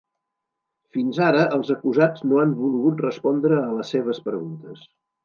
Fins ara els acusats no han volgut respondre a les seves preguntes.